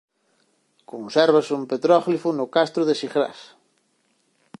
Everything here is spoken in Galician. Consérvase un petróglifo no castro de Sigrás.